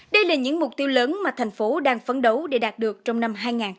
đây là những mục tiêu lớn mà thành phố đang phấn đấu để đạt được trong năm hai nghìn hai mươi